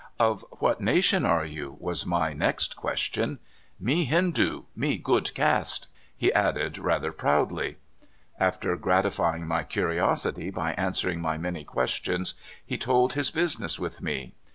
"Of what nation are you?" was my next question. Me Hindoo — me good caste," he added rather proudly. After gratifying my curiosity by answering my many questions, he told his business with me.